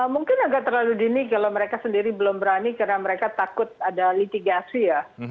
mungkin agak terlalu dini kalau mereka sendiri belum berani karena mereka takut ada litigasi ya